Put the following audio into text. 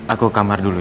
aku ke kamar dulu ya